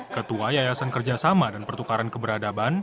ketua yayasan kerjasama dan pertukaran keberadaban